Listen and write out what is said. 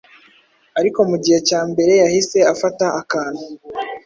Ariko mugihe cyambere yahise afata akantu